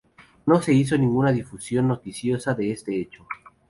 No se hizo ninguna difusión noticiosa de este hecho.